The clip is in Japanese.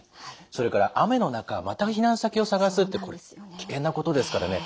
それから雨の中また避難先を探すってこれ危険なことですからね